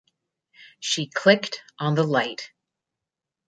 She clicked on the light.